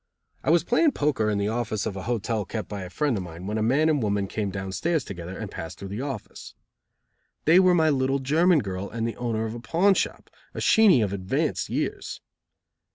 I was playing poker in the office of a hotel kept by a friend of mine, when a man and woman came down stairs together and passed through the office. They were my little German girl and the owner of a pawn shop, a Sheenie of advanced years.